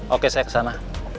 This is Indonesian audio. oke saya kesana